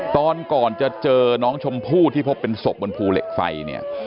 ตอนก่อนจะเจอน้องชมพู่ที่พบเป็นศพบนภูเหล็กไฟเนี่ย